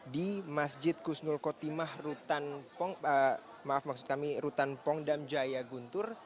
di masjid kusnul kotimah rutan pongdam jaya guntur